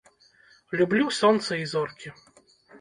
Люблю сонца і зоркі.